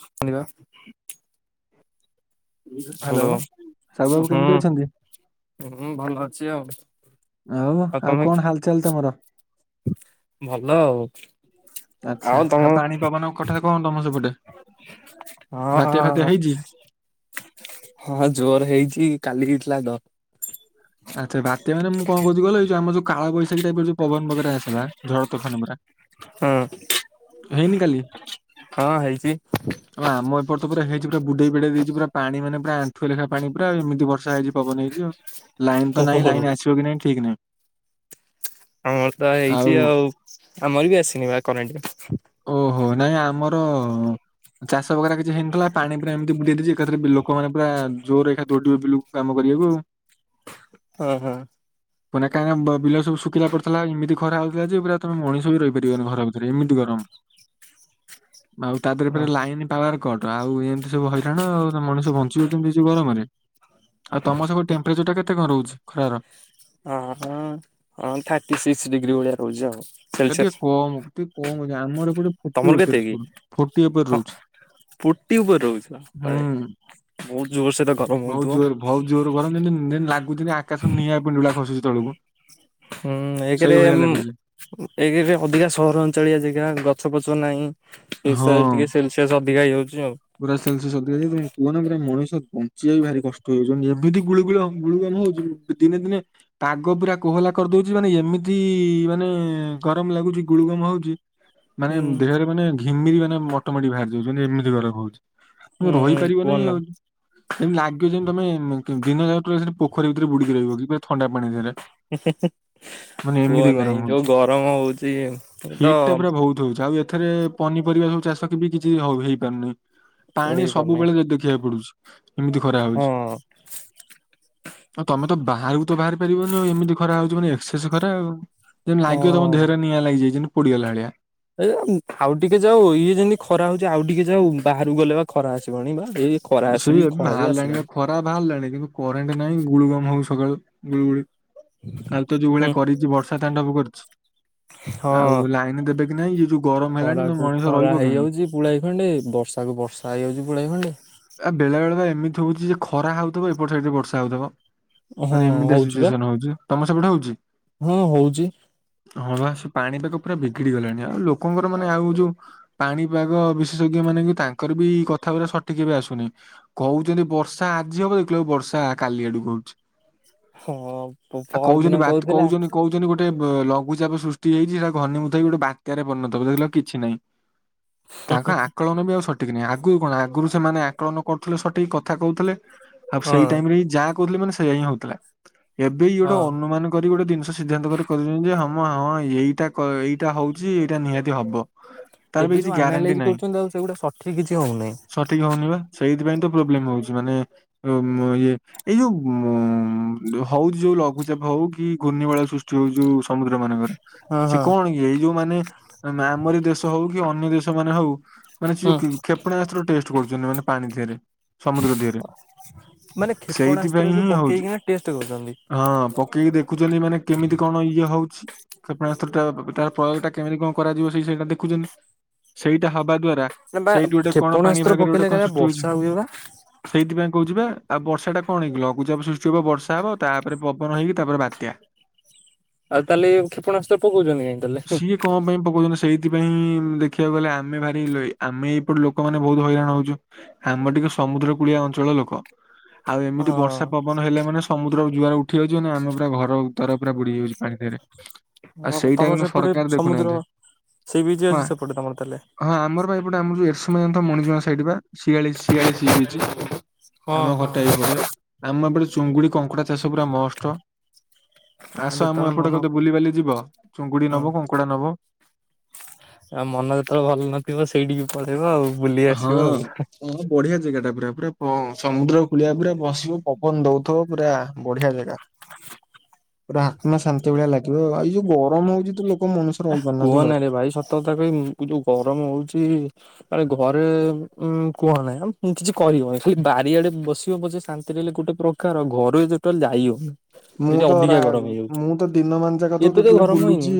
ଶୁଣିବା। [inaudible] ହ୍ୟାଲୋ ସାହୁ ବାବୁ ହୁଁ। କେମିତି ଅଛନ୍ତି? ହୁଁ ଭଲ ଅଛି ଆଉ ଆଉ ଆଉ ତମେ? କଣ ହାଲଚାଲ ତମର? ଭଲ ଆଉ ଆଚ୍ଛା ଆଉ ପାଣି ପବନ କଥା କଣ ତମ ସେପଟେ ବାତିଆ ହଁ ଫାତିଆ ହେଇଛି? ହଁ ଜୋରେ ହେଇଛି କାଲି ହେଇଥିଲା ଡ ଆଚ୍ଛା ବାତ୍ୟା ମାନେ ମୁଁ କଣ କହୁଛି କହିଲ ଏ ଆଛା ବାତ୍ୟା ମାନେ ମୁଁ କଣ କହୁଛି କହିଲ ଯଉ ଆମ ଯୋଉ କାଳବୈଶାଖି ଟାଇପର ଯୋଉ ପବନ ବଗେରା ଆସିଲା ଝଡ ତୋଫାନ ପୁରା ହଁ ହେଇନି କାଲି ହଁ ହେଇଛି ଆମ ଏ ଆମ ଏପଟେ ତ ପୁରା ହେଇଛି ପୁରା ବୁଡେଇ ବିଡେଇ ଦେଇଛି ପୁରା ପାଣି ମାନେ ପୁରା ଆଣ୍ଠୁଏ ଲେଖା ପାଣି ପୁରା ଏମିତି ବର୍ଷା ହେଇଛି ପବନ ହେଇଛି ଆଉ ଲାଇନ୍ ତ ନାହିଁ ଲାଇନ ଆସିବ କି ନାଇଁ ଠିକ ନାହିଁ? ଆମର ତ ହେଇଛି ଆଉ ଆମର ବି ଆସିନି ବା କରେଣ୍ଟ। ଓହୋ ନାଇଁ ଆମର ଚାଷ ବଗେରା କିଛି ହେଇନଥିଲା ପାଣି ପୁରା ଏମିତି ବୁଡେଇ ଦେଇଛି। ଏକାଥରେ ଲୋକମାନେ ପୁରା ଜୋର ଏକା ଦୌଡିବେ ବିଲକୁ କାମ କରିବାକୁ। ହୁଁ ହୁଁ। ମାନେ କଣ ବିଲ ସବୁ ଶୁଖିଲା ପଡିଥିଲା ଏମିତି ଖରା ହଉଥିଲା ଯେ ପୁରା ତମେ ମଣିଷ ବି ରହିପାରିବନି ଘର ଭିତରେ ଏମିତି ଗରମ [inaudible] ଆଉ ତା ଦେହରେ ହଁ ଫେରେ ଲାଇନ ପାୱାର କଟ ଆଉ ଏମିତି ସବୁ ହଇରାଣ ମଣିଷ ବଞ୍ଚିବ କେମିତି ଏ ଯୋଉ ଗରମରେ? ଆଉ ତମର ସବୁ ଟେମ୍ପରେଚରଟା କେତେ କଣ ରହୁଛି ଖରାର? ହଁ ହଁ ଥାର୍ଟି ସିକ୍ସ ଡିଗ୍ରୀ ଭଳିଆ ରହୁଛି ଆଉ ଟିକେ ସେଲସିୟସ୍ କମ ଟିକେ କମ ରହୁଛି ଆମର ଏପଟେ ଫୋର୍ଟି ତମର ଉପରେ କେତେ କି ସ୍କୁଲ ଫୋର୍ଟି ଉପରେ ରହୁଛି ଫୋର୍ଟି ଉପରେ ରହୁଛି ବାପାରେ ହୁଁ ବହୁତ ଜୋରସେ ଖ ବହୁତ ଜୋର ବହୁତ ଜୋର ଗରମ ଯେମତି ଯେମିତି ଲାଗୁଛି ଆକାଶ ନିଆଁ ପିଣ୍ଡୁଳା ଖସୁଛି ତଳକୁ। ହୁଁ ଏକରେ ସେଇଭଳିଆ ଲାଗୁଛି ଏକରେ ଅଧିକା ସହର ଅଞ୍ଚଳିଆ ଜେଗା ଗଛ ପଛ ନାହିଁ ଏ ସେ ହଁ। ଟିକେ ସେ ଶେଷ ଅଧିକା ହେଇଯାଉଛି ଆଉ। ପୁରା ସେଲସିଅସ ଅଧିକା [unintelligible] କୁହନା ପୁରା ମଣିଷ ବଞ୍ଚିବା ବି ଭାରି କଷ୍ଟ ହେଯାଉଚି ଏମିତି ଗୁଳୁଗୁଳ ଅ ଗୁଳୁମ [unintelligible] ହଉଚି ଦିନେ ଦିନେ ପାଗ ପୁରା କୋହଲା କରିଦଉଚି ମାନେ ଏମିତି ମାନେ ଗରମ ଲାଗୁଚି ଗୁଳୁଗମ ହଉଚି ହୁଁ ମାନେ ଦେହରେ ମାନେ ଘିମିରି ମାନେ ମୋଟ ମୋଟି ବାହାରି ଯାଉଛି ମାନେ ଏମିତି ଗରମ ହଉଚି। ହୁଁ କୁହ ରହିପାରିବନାଇଁ ନା ଆଉ। ଯେମିତି ଲାଗିବ ଯେମିତି ତମେ ମ କ ଦିନ ଯାକ ସେ ପୋଖରୀ ଭିତରେ ବୁଡିକି ରହିବ କି ଥଣ୍ଡା ପାଣି ଧିଅରେ। [inaudible] ମାନେ ଏମିତି ନାହିଁ ଗରମ ଯୋଉ ହଉଚି ଗରମ ହଉଛି। ଏ ତ ହିଟ ଟା ପୁରା ବହୁତ ହଉଚି। ଆଉ ଏଥରେ ପନିପରିବା ସବୁ ଚାଷ କେ ବି କିଛି ହଉ ହେଇପାରୁନି। ପାଣି ଇଏ କରୁନି ସବୁବେଳେ ଦେଖିବାକୁ ପଡୁଚି ଏମିତି ଖରା ହଁ ହଉଚି। ଆଉ ତମେ ତ ବାହାରକୁ ତ ବାହାରି ପାରିବନି ଆଉ ଏମିତି ଖରା ହଉଚି ମାନେ ଏକ୍ସସେସ ଖରା। ଯେମତି ହଁ। ଲାଗିବ ତମ ଦେହରେ ନିଆଁ ଲାଗିଯାଇଚି ଯେମିତି ପୋଡିଗଲା ଭଳିଆ। ଏ ଆଉ ଟିକେ ଯାଉ ଇଏ ଯେମିତି ଖରା ହଉଚି ଆଉ ଟିକେ ଯାଉ ବାହାରକୁ ଗଲେ ବା ଖରା ଆସିବଣିି ବା ଏଇ ଖରା ଆସିବି ସେଇ ଏବେ ଖରା ବି ବାହାରିଲାଣି ବା ଆସିଲାଣି ଖରା ବାହାରିଲାଣି କିନ୍ତୁ କରେଣ୍ଟ ନାହିଁ ଗୁଳୁଗମ ହଉ ସକାଳୁ ଗୁଳୁଗୁଳି। କାଲି ତ ଯୋଉ ଭଳିଆ ହୁଁ କରିଚି ବର୍ଷା ତାଣ୍ଡବ କରିଚି। ଆଉ ହଁ। ଲାଇନ ଦେବେ କି ନାଇଁ ଇଏ ଯୋଉ ଗରମ ହେଲାଣି ତ ଖରାକୁ ମଣିଷ ଖରା ରହିବ କେମିତି? ହେଇଯାଉଛି ପୁଳାଏ ଖଣ୍ଡେ ବଷାକୁ ବର୍ଷା ହେଇଯାଉଚି ପୁଳାଏ ଖଣ୍ଡେ। ଆ ବେଳେ ବେଳେ ବା ଏମିତି ହଉଚି ଯେ ଖରା ହଉଥିବ ଏପଟ ସାଇଟରେ ବର୍ଷା ହଉଥିବ। ହଁ ମାନେ ଏମିତିଆ ହଉଛି ବା ସିଚୁଏସନ ହଉଚି। ତମ ସେପଟେ ହଉଚି? ହଁ ହଉଛି ହଁ ବା ସେ ପାଣି ପାାଗ ପୁରା ବିଗିଡି ଗଲାଣି ଆଉ ଲୋକଙ୍କର ମାନେ ଆଉ ଯୋଉ ପାଣିପାଗ ବିଶେଷଜ୍ଞ ମାନେ ବି ତାଙ୍କର ବି କଥାଗୁରା ସ ଠିକ୍ ବି ଆସୁନି କହୁଛନ୍ତି ବର୍ଷା ଆଜି ହବ ଦେଖିଲା ବେଳକୁ ଆ ବର୍ଷା କାଲି ଆଡକୁ ହଉଚି। ହଁ ପହର ଦିନ କହୁଥିଲା କହୁଚନି ଗୋଟେ ଲଘୁଚାପ ସୃଷ୍ଟି ହେଇଚି ସେଇଟା ଘନୀଭୂତ ହେଇକି ଗୋଟେ ବାତ୍ୟାର ପରିଣତ ହେବ। ଦେଖିଲା ବେଳକୁ କିଛି ନାହିଁ। ତାଙ୍କ ଆକଳନ ବି ଆଉ ସଠିକ ନାହିଁ। ଆଗରୁ କଣ ଆଗ ଆଗରୁ ସେମାନେ ଆକଳନ କରୁଥିଲେ ସଠିକ କଥା କହୁଥିଲେ ଆଉ ସେଇ ହଁ। ଟାଇମରେ ହିଁ ଯାହା କହୁଥିଲେ ମାନେ ସେୟା ହିଁ ହଉ ଲା ଏବେ ଇଏ ହଁ। ଗୋଟେ ଅନୁମାନ କରି ଗୋଟେ ଜିନିଷ ସିଦ୍ଧାନ୍ତ କରି କଇଦଉଚନ୍ତି ଯେ ହଁ ମ ହଁ ଏଇଟା ଏଇଟା ହଉଚି ଏଇଟା ନିହାତି ହବ। ତାର ବି ଏବେ କିଛି ଯୋଉ ଗ୍ୟାରେଣ୍ଟି ଆନାଲାଇଜ ନାହିଁ କରୁଚନ୍ତି ଆଉ ସେଗୁଡା ସଠିକ କିଛି ହଉନାହିଁ। ସଠିକ ହଉନି ବା ସେଇଥିପାଇଁ ତ ପ୍ରୋବ୍ଲେମ ହଉଛି ମାନେ ଓ ମୋ ଇଏ ଏଇ ଯୋଉ ଉଁ ହଉଛି ଯୋଉ ଲଘୁଚାପ ହଉ କି ଘୂର୍ଣ୍ଣିବଳୟ ସୃ ଷ୍ଟି ହୋଉ ଯୋଉ ସମୁଦ୍ରମାନଙ୍କରେ ହଁ ସେ ହଁ କଣ କି ଏଇ ଯୋଉ ମାନେ ଆମରି ଦେଶ ହଉ କି ଅନ୍ୟ ଦେଶ ମାନେ ହଉ ମାନେ ସିଏ ହୁଁ। କ୍ଷେପ ଟେଷ୍ଟ କରୁଚନ୍ତି ମାନେ ପାଣି ଦିହରେ। ସମୁଦ୍ର ଦିହରେ ମାନେ କ୍ଷେପଣାସ୍ତ୍ର ସେଇଥିପାଇ ଯୋଉ ହିଁ ହଉଚି ପକେଇକିନା ଟେଷ୍ଟ କରୁଛନ୍ତି। ହଁ ପକେଇକି ଦେଖୁଛନ୍ତି ମାନେ କେମିତି କଣ ଇଏ ହଉଚି। କ୍ଷେପଣାସ୍ତ୍ର ଟା ତା ପ୍ରୟୋଗଟା କେମିତି କଣ କରାଯିବ ସେଇ ସେଇଟା ଦେଖୁଚନ୍ତି। ସେଇଟା ହବା ଦ୍ଵାରା ବା କଣ ପାଣି କ୍ଷେପଣାସ୍ତ୍ର ଭାଗରେ ଗୋଟେ ପକେଇଲେ କଣ କାଳେ ସୃଷ୍ଟି ହଉଛି ବର୍ଷା ହୁଏବା? ସେଇଥିପାଇଁ କହୁଚି ବା ଆଉ ବର୍ଷାଟା କଣକି ଲଘୁଚାପ ସୃଷ୍ଟି ହବ ବର୍ଷା ହବ ତାପରେ ପବନ ହେଇକି ତାପରେ ବାତ୍ୟା। ଆଉ ତାହେଲେ କ୍ଷେପଣାସ୍ତ୍ର ପକଉଚନ୍ତି କାଇଁ ତାହାଲେ? ମେଇ ପକଉଚନ୍ତି ସେଇ ଥି ପାଇଁ ଉଁ ଦେଖିଆକୁ ଗଲେ ଆମେ ଭାରି [unintelligible] ଆମେ ଏପଟ ଲୋ କମାନେ ବହୁତ ହଇରାଣ ହଉଚୁ ଆମେ ଟିକେ ସମୁଦ୍ର କୁଳିଆ ଅଞ୍ଚଳ ଲୋକ। ଆଉ ଏମିତି ବର୍ଷା ହଁ ପବନ ହେଲେ ମାନେ ସମୁଦ୍ରରୁ ଜୁଆର ଉଠି ଆଉଚି ନା ଆମେ ପୁରା ଘର ଦ୍ବାର ପୁରା ବୁଡି ଯାଉଛି ପାଣି ଦିହରେ। ହଁ ତମର ସେପଟେ ସମୁଦ୍ର ଦେଖୁନାହାନ୍ତି ସି ବିଚ୍ ହଁ ଅଛି ସେପଟେ ତମର ତାହେଲେ। ହଁ ଆମର ବା ଏଇପଟେ ଆମର ଯୋଉ ଏରସମା ଜାଣିଥିବ ମଣିଜମା ସାଇଟ ବା ଶିଆଳି ଶିଆଳି ସି ବିଚ୍ ହଁ ଆମ ହଁ ଘରଟା ଏଇପଟେ। ଆମ ଏପଟେ ଚୁଙ୍ଗୁଡି କଙ୍କଡା ଚାଷ ପୁରା ମଷ୍ଟ। ଆ ଆସ ଆମ ଯେତେବେଳେ ମନ ଏପଟେ କେବେ ବୁଲିିବାଲି ଯିବ ଚୁଙ୍ଗୁଡି ହଁ। ନବ କଙ୍କଡା ନବ। ଆଉ ମନ ଯେତବଳେ ଭଲ ନଥିବ ସେଇଟିକି ପଲେଇବ ଆଉ ବୁଲି ହଁ ଆସିବ ଆଉ ହେଁ ହଁ ବଢିଆ ଜେଗାଟା ପୁରା ପୁରା ପ ସମୁଦ୍ରକୂଳିଆ ପୁରା ବସିବ ପବନ ଦଉଥିବ ପୁରା ବଢିଆ ଜେଗା। [inaudible] ପୁରା ଆତ୍ମା ଶାନ୍ତି ଭଳିଆ ଲାଗିବ ଆଉ ଏଇ ଯୋଉ ଗରମ ହଉଚି ତୁ ଲୋକ ମଣି ହେ କୁହନାରେ ଭାଇ ସତ କଥା କହିବି ଯୋଉ ଗରମ ହଉଚି। ଆରେ ଘରେ ଉ କୁହ ନାଇଁ କିଛି କରିବନି ଖାଲି ବାରିଆଡେ ବସିବ ପଛେ ଶାନ୍ତିରେ ହେଲେ ଗୋଟେ ପ୍ର କାହାର ଘରୁକୁ ଟୋଟାଲ ଯାଇ ହଉନି। ମୁଁ ଯଦି ତ ରା ଅଧିକା ଗରମ ହେଇଯାଉଛି ମୁଁ ତ ଦିନମାନ ଯାକ ତ ଏବେ ଟୋଟାଲ ଗରମ ହେଇନି ବୁଲୁଚି।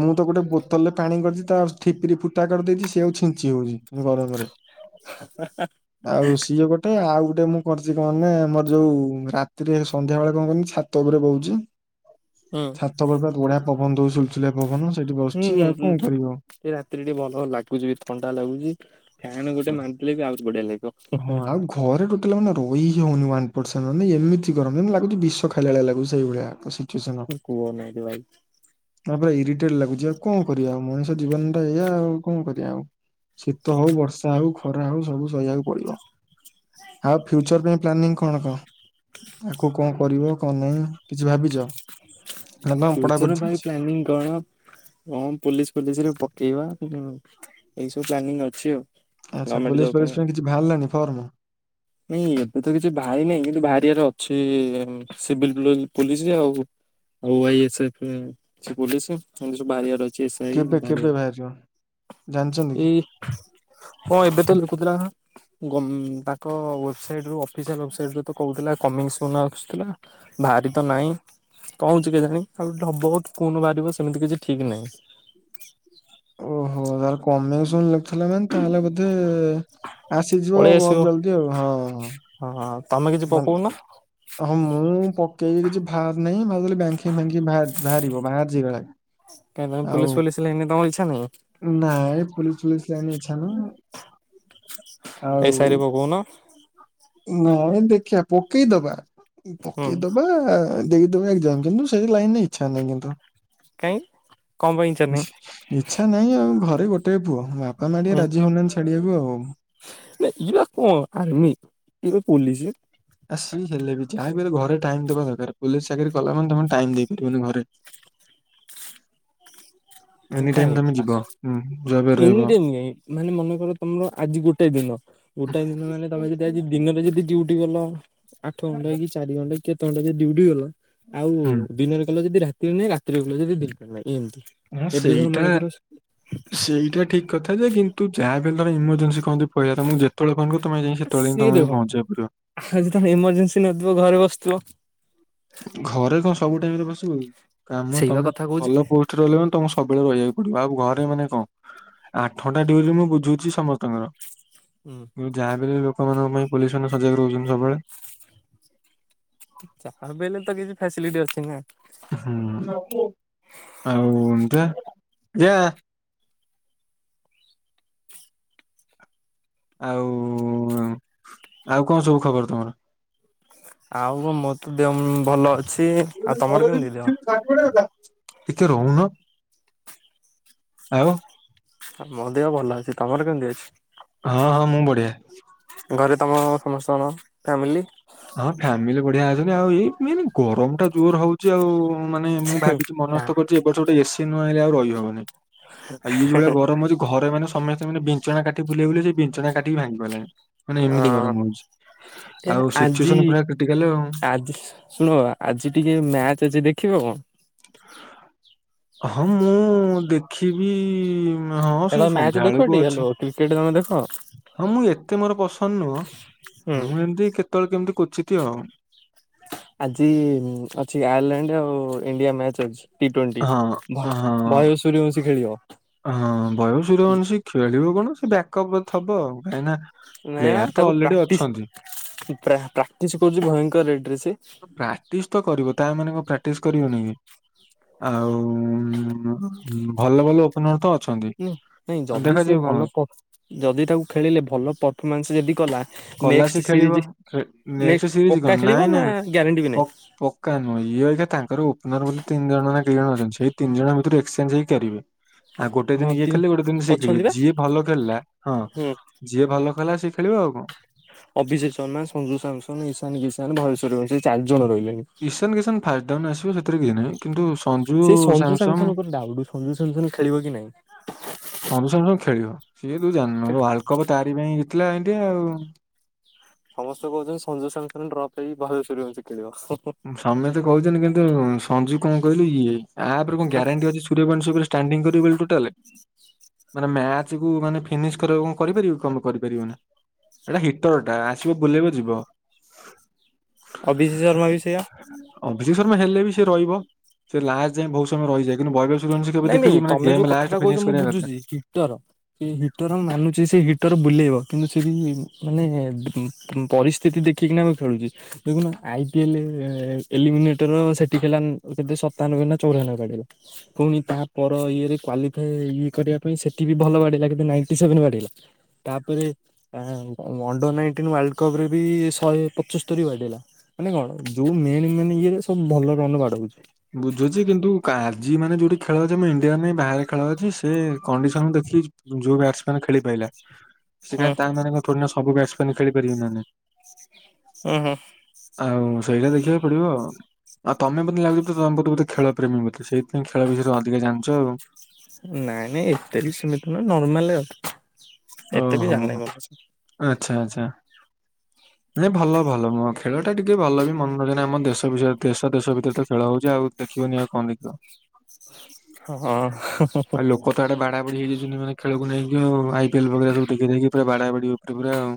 ମୁଁ ତ ଗୋଟେ ବୋତଲ ରେ ପାଣି କରିଚି ତା ଠିପି ରେ ଫୁଟା କରିଦେଇଛି ସେୟା କୁ ଛିଞ୍ଚି ହଉଚି ଯୋଉ ଗରମରେ। ହା ହା। ଆଉ ସିଏ ଗୋଟେ ଆଉ ଗୋଟେ ମୁଁ କରିଚି କଣ ନା ମୋର ଯୋଉ ରାତିରେ ସନ୍ଧ୍ୟାବେଳେ କଣ କହନି ଛାତ ଉପରେ ବଉଚି। ହୁଁ। ଛାତ ଉପରେ ପୁରା ବଢିଆ ପବନ ଦଉଚି ସୁ ସୁଲିଆ ପବନ ସେଇଠି ବ ହୁଁ ବସଛି ହୁଁ ଆଉ ହୁଁ କଣ ହୁଁ କରିବ। ଏ ରାତିରେ ଟିକେ ଭଲ ଲାଗୁଛି ବି ଥଣ୍ଡା ଲାଗୁଚି। ଫ୍ୟାନ୍ ଗୋଟେ ମୁଁ ଆଣିଥିଲି ବି ଆହୁରି ବଢିଆ ଲାଗିବ ହୁଁ ହଁ ହୁଁ। ଆଉ ଘରେ ଟୋଟାଲ ମାନେ ରହି ହଉନି ୱାନ୍ ପର୍ସେଣ୍ଟ ମାନେ ଏମିତି ଗରମ ଯେମିତି ଲାଗୁଚି ବି ବିଷ ଖାଇଲା ଭଳିଆ ଲାଗୁଚି ସେଇଭଳିଆ କ କୁହ ନାଇଁରେ ଭାଇ। ହଁ ବା ଇରିଟେଡ୍ ଲାଗୁଛି ଆଉ କଣ କରିଆ ଆଉ ମଣିଷ ଜୀବନ ଟା ଏଇଆ ଆଉ କଣ କରିଆ ଆଉ। ଶୀତ ହଉ ବର୍ଷା ହଉ। ଖରା ହଉ ସବୁ ସହିଆକୁ ପଡିବ ଆଉ ଫ୍ୟୁଚର ପାଇଁ ପ୍ଲାନିଂ କଣ କଣ? ଆଗୁକୁ କଣ କରିବ କଣ ନାଇଁ କିଛି ଭାବିଚ? ଫ୍ୟୁଚର ପାଇଁ ପ୍ଲାନିଂ କଣ? ହଁ ପୋଲିସ ଫୋଲିସ ରେ ପକେଇବା ଉଁ ଏଇ ସବୁ ପ୍ଲାନିଂ ଅଛି ଆଉ। ଆଚ୍ଛା ଗଭର୍ଣମେଣ୍ଟ ଜବ ପୋଲିସ ଫୋଲିସ ପାଇଁ କିଛି ବାହାରାଲାଣି ଫର୍ମ। ନାଇଁ ଏବେ ତ କିଛି ବାହାରି ନେଇଁ କିନ୍ତୁ ବାହାରିିବାର ଅଛି ସିଭିଲ୍ [unintelligible] ପୋଲିସ ଯେ ଆଉ ଓ ଆଇ ଏସ୍ ଏଫ୍ ପୋଲିସ ଏନ୍ତି ସବୁ ବାହାରିଆର ଅ ଚି ଏସ ଆଇ କେବେ କେବେ ବାହାରିବ ଜାଣିଛନ୍ତି କି? ବାହାରିବାର ଏଇ ହଁ ଏବେ ତ ଲୋକ [inaudible] ଗ ତାଙ୍କ ୱେବସାଇଟ ରୁ ଅଫିସିଆଲ ୱେବସାଇଟରେ ତ କହୁଥିଲା କମିଙ୍ଗ ସୁନ୍ ଆସୁଥିଲା। ବାହାରି ତ ନାଇଁ। କଣ ହଉଚି କେଜାଣି ଆଉ ବହୁତ କଉନ ବାହାରିବ ସେମିତି କିଛି ଠିକ୍ ନାଇଁ। ଓହୋ ତାରେ କମିଂ ସୂନ୍ ନଥିଲା ମାନେ ତାହେଲେ ବୋଧେ ଆସିଯିବ ଆଉ ବହୁତ ଜଲଦି ଆଉ ହଁ। ହଁ ହଁ ଆଉ ତମେ କିଛି ମାନେ ପକଉନ। ହଁ ମୁଁ ପକେଇବି କିଛି ବାହାରି ନାହିଁ ଭାବିଲି ବ୍ୟାଙ୍କିଙ୍ଗ ଫଙ୍କିଙ୍ଗ ବାହାରିବ ବାହାରିଛି କାଳେ। କାଇଁ ତମେ ପୋଲିସ ଫୋଲିସ ଲାଇନ ତମ ଇଚ୍ଛା ନାହିଁ। ନାଇ ପୋଲିସ ଫୋଲିସ ଲାଇନ ରେ ଇଚ୍ଛା ନାହିଁ। ଏ ସାଇ ରେ ପକାଉନ। ନାଇଁ ଦେଖିବା ପକେଇଦବା ହୁଁ ପକେଇଦବା ଆ ଦେଇଦବା ଏଜାମ କିନ୍ତୁ ସେଇ ଲାଇନ ଇଛା ନାହିଁ କିନ୍ତୁ। କାହିଁ କଣ ପାଇଁ ଇଚ୍ଛା ନାହିଁ ଇଚ୍ଛା ନାହିଁ ଆଉ ଘରେ ଗୋଟେ ପୁଅ। ବା ମାମା ଟିକେ ରାଜି ହଉନାହାନ୍ତି ଛାଡିବାକୁ ଆଉ। ନା ଏ ବା କଣ ଆର୍ମି ଇଏପା ପୋଲିସ। ଆ ସି ହେଲେ ବି ଯାହା ବିି ହେଲେ ଘରେ ଟାଇମ ଦେବା ଦରକାର ପୋଲିସ ଚାକିରି କଲା ମାନେ ତମେ ଟାଇମ ଦେଇପାରିବନି ଘରେ। କାଇଁକି ଯା ବେ। ଏନି ଟାଇମ୍ କାଇଁ ମାନେ ମାନେକର ତମର ଆଜି ଗୋଟେ ଦିନ। ଗୋଟାଏ ଦିନ ମାନେ ତମେ ଯଦି ଆଜି ଦିନରେ ଯଦି ଡିୟୁ ଟି ଗଲ। ଆଠ ଘଣ୍ଟା କି ଚାରି ଘଣ୍ଟା କେତେ ଘଣ୍ଟା ଯଦି ଡି ୟୁ ଟି ଗଲ। ଆଉ ହୁଁ ଦିନରେ କଲ ଯଦି ରାତିରେ ନାହିଁ ରାତିରେ କଲ ଯଦି ଦିନନାହିଁ ଏମିତି। ହଁ ଏବେ ଧର ସେଇଟା ମନେକର ସେଇଟା ଠିକ କଥା ଯେ କିନ୍ତୁ ଯାହା ବି ହେଲୋ ଇମର୍ଜେନ୍ସି କୁହନ୍ତି। ମୁଁ ତମକୁ ଯେତେବେଳେ ଫୋନ କରିବି ତମେ ଯାଇଁ ସେଟ୍ ସିଏ ତମ ଦେଖ ପହଞ୍ଚିବା ପାଇଁ ପଡିବ। ଆଜି ତ ଏଇମରଜେନ୍ସି ନଥିବ ଘରେ ବସିଥିବ। ଘରେ ସବୁ କଣ ବସିବ କି ତାହା ନୁହ ସେଇବା ତମେ କଥା କହୁଛି ଭଲ ପୋଷ୍ଟରେ ରହିଲ ତମେ ସବୁବେଳେ ରହବାକୁ ଆଉ ଘରେ ମାନେ କଣ ଆଠଟା ଡିଉରି ମୁଁ ବୁଝୁଛି ସମସ୍ତଙ୍କର। ହୁ। ଯାହା ବି ଲୋକମାନଙ୍କ ପାଇଁ ପୋଲିସ ମାନ ସଜାଗ ରହୁଛନ୍ତି ସବୁବେଳେ। ଯାହା ବେଲେ ତ କିଛି ଫ୍ୟାସିଲିଟି ଅଛି ନା? ହୁ ଆଉ ଏଇନ୍ତିଆ। ଆଉ ଆଉ କଣ ସବୁ ଖବର ତମର? ଆଉ କଣ ମୋ ଦିଏମ୍ ଭଲ ଅଛି। ଆଉ ତମର କେମିତି ଦେହ? [unintelligible] ଟିକେ ରହୁନ ଆଉ। ମୋ ଦେହ ଭଲ ଅଛି ତମର କେମିତି ଅଛି? ହଁ ହଁ ମୁଁ ବଢିଆ। ଘରେ ତମ ସମସ୍ତଙ୍କ ଫ୍ୟାମିଲି? ହଁ ଫ୍ୟାମିଲି ବଢିଆ ଅଛନ୍ତି ଆଉ। ଏଇ ଗରମ ଟା ଜୋର ହଉଚି ଆଉ। ମୁଁ ମାନେ ମୁଁ ହଁ ଭାବୁଚି ମନୋସ୍ଥ କରିଚି ଏ ବର୍ଷ ଗୋଟେ ଏସି ନ ଆଇଲେ ଆଉ ରହିହବନି। ଏଇ ଯୋଉ ଭଳିଆ ଗରମ ହେଉଛି ଘରେ ମାନେ ସମସ୍ତେ ମାନେ ବିଛନା କାଠୀ ବୁଲେଇ ବୁଲେ ସେ ବିଛନା କାଠୀ ଭାଙ୍ଗିଗଲାଣି। ମାନେ ଏମିତି ଗରମ ହଉଛି। ଏ ଆଉ ଆଜି ସିଚୁଏସନ ପୁରା କ୍ରିଟିକାଲ ଆଉ। ଆଜି। ଶୁଣ ବାବା ଆଜି ଟିକେ ମ୍ୟାଚ ଯିଏ ଦେଖିବ କଣ? ହଁ ମୁଁ ଦେଖିବି ହଁ ସେ ହେଲୋ ମ୍ୟାଚ ଦେଖ ଟି ସନ୍ଧ୍ୟାବେଳକୁ ହେଲୋ ଅଛି। କ୍ରିକେଟ ତମେ ଦେଖ? ହଁ ମୁଁ ଏତେ ମୋର ପସନ୍ଦ ନୁହଁ ହୁଁ ମୁଁ ଏମିତି କେତେବେଳେ କେମିତି କୁଚିତି ଆଉ। ଆଜି ଅଛି ଆୟାରଲାଣ୍ଡ ଆଉ ଇଣ୍ଡିଆ ମ୍ୟାଚ ଅଛି ଟି ଟ୍ବଣ୍ଟି। ହଁ ହଁ। ମହେଶ୍ୱରୀ ବଶୀ ଖେଳିବ। ହଁ ବୟସ ର ଅନୂଷି ଖେଳିବ କଣ ସେ ବ୍ୟକପରେ ଥବ ଆଉ କାଇଁକି ନା ପ୍ଲେୟାର ତ ଅଲରେଡି ଅଛନ୍ତି। ପ୍ରା ପ୍ରାକ୍ଟିସ କରୁଛି ଭୟଙ୍କର ରେଟେରେ ସେ ପ୍ରାକ୍ଟିସ ତ କରିବ ତା ମାନେ କଣ ପ୍ରାକ୍ଟିସ କରିବନି କି। ଆଉ ଭଲ ଭଲ। ମୁଁ ତ ଅଛନ୍ତି। ନାଇଁ ଆଉ ଯଦି ସେ ଦେଖାଯାଉ କଣ ଭଲ ହଉଛି। କପ୍ ଯଦି ତାକୁ ଖେଳିଲେ ଭଲ ତ। ହିମାଂଶୁ ଯଦି କଲା କଲାସି ନେକଷ୍ଟେ ଖେଳିବ ସିରିଯି ନେ ନେକ୍ସଟ ସିରିଜ କଣ ପକ୍କା ନାଇଁ ଖେଳିବ ନା। ନାଇଁ ଗ୍ୟାରେଣ୍ଟି ବି ପ- ନାଇଁ। ପକ୍କା ନୁହେଁ ଇଏ ହୋରିକା ତାଙ୍କର ଓପନର ବୋଲି ତିନି ଜଣ ନା କେଇ ଜଣ ଅଛନ୍ତି। ସେଇ ତିନି ଜଣ ଭିତରୁ ଏକ୍ସେ୍ଞ୍ଚେ ହେଇକେରିବେ। ଆଉ ଗୋଟେ ହଁ ଦିନି ଇଏ ତି ଖେଳିଲେ ଗୋଟେ ଦିନି ସେ ଖେଳିବେ ଅଛନ୍ତି ବା ଯିଏ ଭଲ ଖେଳିଲା ହଁ। ହୁଁ ଯିଏ ଭଲ କଲା ସିଏ ଖେଳିବ ଆଉ କଣ? ଅଭିଜେକ ଶର୍ମା ସଞ୍ଜୁ ସାମସନ ଇଶାନ କିଶାନ ଭହେଶ୍ୱର ସେ ଚାରି ଜଣ ରହିଲେଣି। ଇଶାନ କିଷାନ୍ ଫାଷ୍ଟ ଡାଉନ୍ ଆସିବ ସେଥିରେ କି ନାହିଁ କିନ୍ତୁ ଶୁ ସେଇ ସଞ୍ଜୁ ସାମସନ ଉପରେ ଡାଉଟ ସଞ୍ଜୁ ସମ୍ ସନ୍ ଖେଳିବ କି ନାଇଁ। ସଞ୍ଜୁ ସାନ୍ତୁନୁ ଖେଳିବ ସିଏ ତୁ ଜାଣିନୁ ୱାର୍ଲଡ କପ ତାରି ପାଇଁ ଜିତିଲା ଇଣ୍ଡିଆ ଆଉ। ସମସ୍ତେ କହୁଛନ୍ତି ସଞ୍ଜୁ ସାନ୍ତୁନୁ ଡ୍ରପ୍ ଦେଇ ବାଲେଶ୍ୱରୀ ହଛି ଖେଳିବା [unintelligible] ସମେତେ କହୁଛନ୍ତି କିନ୍ତୁ ସଞ୍ଜୁ କଣ କହିଲୁ ଇଏ ଆପରେ କଣ ଗ୍ୟାରେଣ୍ଟି ଅଛି। ସୁରିୟ ବଂଶି ଉପରେ ଷ୍ଟାଣ୍ଡିଙ୍ଗ କରିବେନି ଟୁଟାଲେ ମାନେ ମ୍ୟାଚ କୁ ମାନେ ଫିନିଶ କରିବା କଣ କରିପାରିବ କି କମ୍ କରିପାରିବ ନା। ଏଟା ହିଟର ଟା ଆସିବ ବୁଲେଇବ ଯିବ। ଆଉ ବିସି ଶର୍ମା ବି ସେଇୟା ଅଭିଷେକ ଶର୍ମା ହେଲେ ବି ସେ ରହିବ ସେ ଲାଷ୍ଟ ଯାଏ ବହୁତ ସମୟ ରହିଯାଏ କିନ୍ତୁ [unintelligible] [unintelligible] କେବେ ନାଇଁ ନାଇଁ ଦେଖୁଚୁ ମାନେ ତମେ ଗେ ଯୋଉ ଏମ୍ କଥାଟା ଲାଷ୍ଟ କହୁଛ ଫିନିଶ ମୁଁ କରିବା ବୁଝୁଛି କଥା। ହିଟର ସେ ହିଟର ମାନୁଛି ସେ ହିଟର ବୁଲେଇବ କିନ୍ତୁ ସେଠି ମାନେ ପରିସ୍ଥିତି ଦେଖିକିନା ମୁ ଖେଳୁଛି। ଦେଖୁନ ଆଇ ପିଏଲ ଏଲିମିନେଟର ସେଠି ହେଲା କେତେ ସତାନବେ ନା ଚଉରାନବେ ବାଡେଇଲା। [inaudible] ପୁଣି ତାପର ଇଏରେ କ୍ୱଵାଲିଫା ଇଏ କରିବା ପାଇଁ ସେଠି ବି ଭଲ ବାଢିଲା କିନ୍ତୁ ନାଇଣ୍ଟି ସେଭେନ ବା଼ଡେ ଇଲା ତାପରେ ଅଣ୍ଡର ନାଇଟିନ୍ ୱାର୍ଲଡ କପ ରେ ବି ଶହେ ପଚସ୍ତର ବାଡିଲା ମାନେ କଣ ଯୋଉ ମେନ୍ ମାନେ ଇଏରେ ସବୁ ଭଲ ରନ୍ ବାଡଉଛି। ବୁଝୁଛି କିନ୍ତୁ କାଜି ମାନେ ଯୋଉଠି ଖେଳ ଅଛି ମୁଁ ଇଣ୍ଡିଆ ନ ବାହାରେ ଖେଳ ଅଛି। ସେ କଣ୍ଡିସନ ଦେଖି ଯୋଉ ବ୍ୟାଟମ ଖେଳି ପଲା ସେ କ ହୁଁ ତା ମାନ ସୁ ବ ପ ଖେଳିପାରିବ ନାେ ହୁଁ ହୁଁ ଆଉ ସେଇଟା ଦେଖିବାକୁ ପଡିବ ଆ ଆଉ ତମେ ମୋତେ ଲାଗୁଛି ତମ ବୋେଳ ପ୍ରେମୀ ବୋେ ସେଇଥିାଇଁ ଖେଳଷରେ ଅଧିକ ଜାଣିଛ ଆଉ ନାଇଁ ନାଇଁ ଏତେ ବି ସେମିତି ନୁହଁ ନର୍ମାଲ ଏତେ ବି ଓହୋ ଜାଣହିଁ ଭଲଛ ଆଚ୍ଛା ଆଚ୍ଛା ହଁ ନାଇ ଭଲ ଭଲ ଖେଳ ଟା ଟିକେ ଭଲ ବି ମନୋରଞ୍ଜନ ଆମ ଦେଶ ବିରେ ଦେଶ ଦେଶ ଭିତରେ ତ ଖେଳ ହଉଛି ଆଉ ଦେଖିବନି ଆଉ କଣ ଦେଖିବ ଆଉ ଲୋକ ହଁ ଆଡେ ବାଡାଡି ହେଇଯାଇଛନ୍ତି ମାନ ଖେଳକୁ ନେଇକି, ଆଇ ପିଏଲ ବ ସବୁ ଦେଖି ଦେଇକି ପୁର ବାଡା ବାଡି ଉପ ପା ଆଉ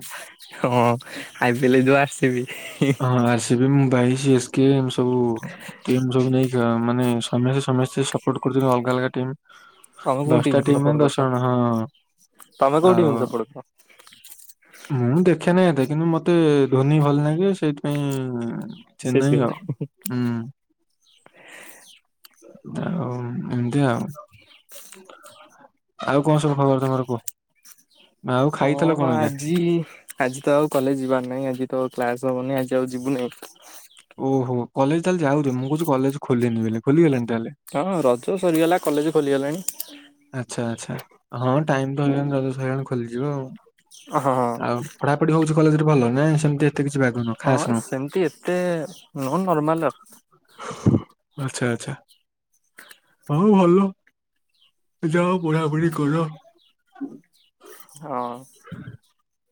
ହଁ ଆଇ ପି ଏଲେ [unintelligible] ଆସିବି। ହଁ ଆ ବି ମୁଁ ଏସ୍ କେ ସବୁ ସବୁ ନେଇି ଆ ମାନେ ସମସ୍ତେ ସମସ୍ତେ ସପୋର୍ଟ କରୁଛନ୍ତି ଅଲଗା ଅଲଗା ଟିମ୍ ତମେ କୋଉ ଦଶଟା ଟିମ୍ କୁ ଟିମ ସପୋର୍ଟ କରୁଛ ଦଶ ଜଣ ତମେ କୋଉ ଟିମ୍ କୁ ହଁ ସପୋର୍ଟ କର? ମୁଁ ଦେଖେ ନାହିଁ ଏତେ କିନ୍ତୁ ମତେ ଧୋନି ଭଲ ଲାଗେ ସେଇଥିପାଇଁ ଚେନ୍ନାଇ ହୁଁ। ଆଉ ଏମିତି ଆଉ। ଆଉ କଣ ସବୁ ଖବର ତମର କୁହ। ଆଉ ହଁ ଖାଇଥିଲ କଣ ଏଇଟା ଆଜି ଆଜି ତ ଆଉ କଲେଜ ଯିବାର ନାହିଁ ଆଜି ତ କ୍ଲାସ ହବନି ଆଜି ଆଉ ଯିବୁନିଁ। ଓହୋ କଲେଜ ତାହେଲେ ଯାଉଛଛି ମୁଁ କହୁଛି କଲେଜ ଖୋଲିଲିନି ବ ଖୋଲିଗଲାଣି ତାହେଲେ। ହଁ ରଜ ସରିଗଲା କଲେଜ ଖୋଲିଗଲାଣି। ଆଚ୍ଛା ଆଚ୍ଛା ହଁ ଟାଇମ୍ ତ ହେଇଗଲାଣି [unintelligible] ଖୋଲିଯିବ ଆଉ। ହ ହଁ ହଁ। ପଢାଢି ହଉଛି କଲେରେ ଭ ନାଁ ସେମତି ହଁ ସେମିତି ଏତେ ନୁହ ନର୍ମାଲ ଆଚଛା ଆଚଛା ହଁ ଭଲ। ଯାଅ ପଢାପଢ଼ି କର। ହଁ।